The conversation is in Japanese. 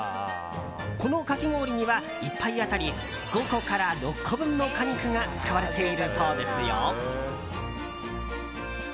このかき氷には１杯当たり５個から６個分の果肉が使われているそうですよ。